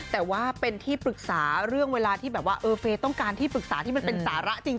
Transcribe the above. แต่ว่าเป็นที่ปรึกษาเรื่องเวลาที่แบบว่าเออเฟย์ต้องการที่ปรึกษาที่มันเป็นสาระจริง